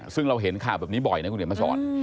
ซึ่งเราเห็นข่าวแบบนี้บ่อยนะคุณเดี๋ยวมาสอน